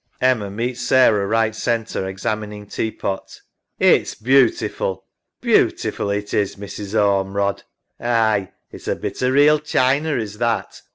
EMMA (meets Sarah right center, examining tea pot). It's beautiful. Beautiful, it is, Mrs. Ormerod. SARAH. Aye, it's a bit o' real china is that.